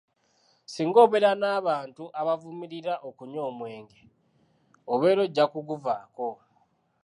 "Singa obeera mu bantu abavumirira okunywa omwenge, obeera ojja kuguvaako."